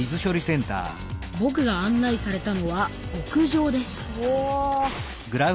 ぼくが案内されたのは屋上ですお。